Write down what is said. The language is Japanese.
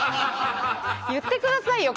言ってくださいよ！